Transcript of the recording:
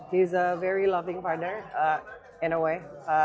dia adalah ayah yang sangat mencintai